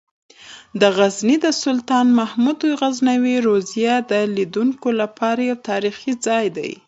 د غزني د سلطان محمود غزنوي روضه د لیدونکو لپاره یو تاریخي ځای دی.